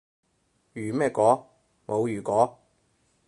如咩果？冇如果